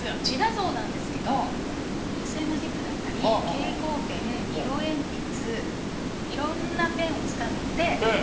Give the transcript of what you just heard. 自画像なんですけど油性マジックだったり蛍光ペン色鉛筆いろんなペンを使って。